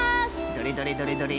どれどれどれどれ？